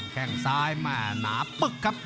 แค่งซ้ายแม่หนาปึ๊กครับ